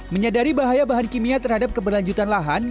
menyadari bahaya bahan kimia terhadap keberlanjutan lahan